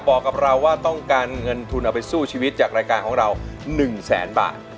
บอกกับเราว่าต้องการเงินทุนเอาไปสู้ชีวิตจากรายการของเรา๑แสนบาท